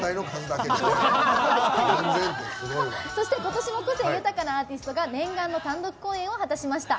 そして、ことしも個性豊かなアーティストが念願の単独公演を果たしました。